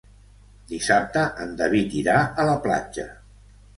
Dissabte en David irà a la platja.